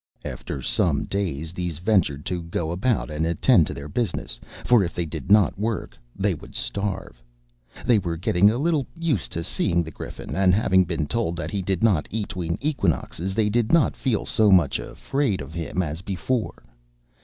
After some days these ventured to go about and attend to their business, for if they did not work they would starve. They were getting a little used to seeing the Griffin, and having been told that he did not eat between equinoxes, they did not feel so much afraid of him as before.